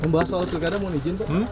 membahas soal pilkada mohon izin pak